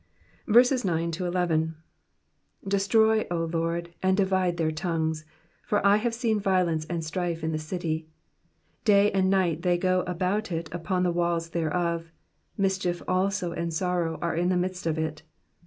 9 Destroy, O Lord, and divide their tongues : for I have seen violence and strife in the city. 10 Day and night they go about it upon the walls thereof : mischief also and sorrow are in the midst of it.